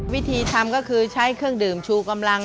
วิธีทำก็คือใช้เครื่องดื่มชูกำลัง